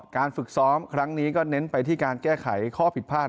การฝึกซ้อมครั้งนี้ก็เน้นไปที่การแก้ไขข้อผิดพลาด